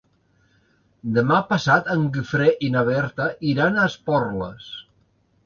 Demà passat en Guifré i na Berta iran a Esporles.